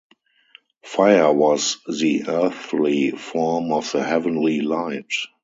Fire was the earthly form of the heavenly light.